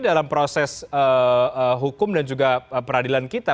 dalam proses hukum dan juga peradilan kita